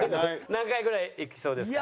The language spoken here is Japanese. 何回ぐらいいきそうですか？